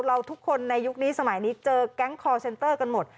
เราทุกคนในยุคนี้สมัยนี้เจอแก๊งคอร์เซ็นเตอร์กันหมด